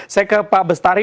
saya ke pak bestari